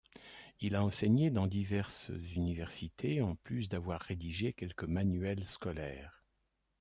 Il a enseigné dans diverses universités, en plus d’avoir rédigé quelques manuels scolaires.